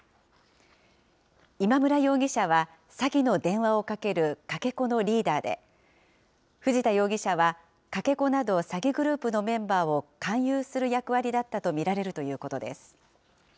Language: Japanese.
今村容疑者は詐欺の電話をかけるかけ子のリーダーで、藤田容疑者はかけ子など、詐欺グループのメンバーを勧誘する役割だったと見られるということです。